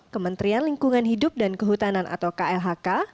kementerian lingkungan hidup dan kehutanan atau klhk